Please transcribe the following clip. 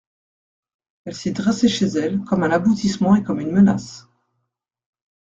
Elle s'y dressait chez elle, comme un aboutissement et comme une menace.